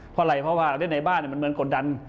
เพราะอะไรเพราะว่าเราเล่นในบ้านมันเมืองกดดัน